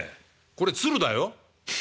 これ鶴だよ」。